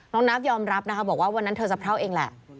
นับยอมรับนะคะบอกว่าวันนั้นเธอสะเพราเองแหละ